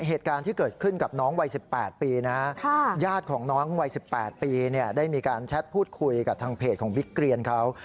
เหตุการณ์ที่เกิดขึ้นกับน้องวัย๑๘ปีนะญาติของน้องวัย๑๘ปีได้มีการแชทพูดคุยกับทางเพจของบิ๊กเกรียนเขา